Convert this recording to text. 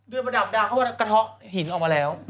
เดือนประดาบดาเขาบอกว่ากระทะหินออกมาแล้ว